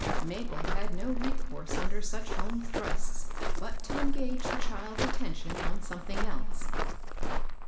Mabel had no resource under such home thrusts but to engage the child's attention on something else.